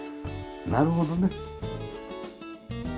なるほどね。